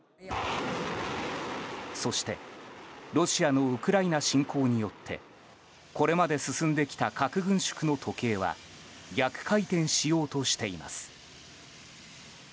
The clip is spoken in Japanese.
そしてロシアのウクライナ侵攻によってこれまで進んできた核軍縮の時計は逆回転しようとしています。